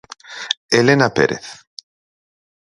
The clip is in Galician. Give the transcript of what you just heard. Elena Pérez.